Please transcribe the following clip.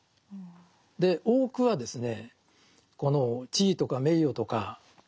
多くはですね